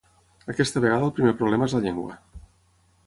Aquesta vegada el primer problema és la llengua.